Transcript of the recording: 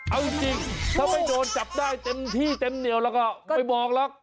เอาจริงถ้าไม่โดนจับได้เต็มที่เต็มเหนียวแล้วก็ไม่บอกหรอก